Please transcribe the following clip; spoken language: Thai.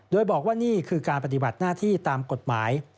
โดยบอกว่านี่คือการปฏิบัติหน้าที่ตามกฎหมาย